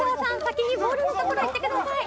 先にボールの所行ってください